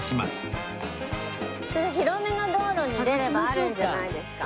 ちょっと広めの道路に出ればあるんじゃないですか？